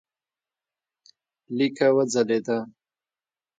لیکه وځلېده.